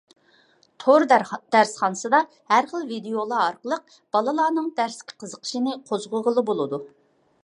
تور دەرسخانىسىدا ھەر خىل ۋىدىيولار ئارقىلىق بالىلارنىڭ دەرسكە قىزىقىشىنى قوزغىغىلى بولىدۇ.